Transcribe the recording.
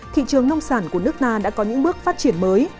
thị trường nông sản của nước ta đã có những bước phát triển mới